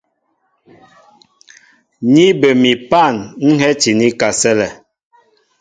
Ni bə mi pân ń hɛ́ti ní kasɛ́lɛ.